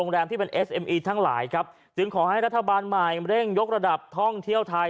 เร่งยกระดับท่องเที่ยวไทย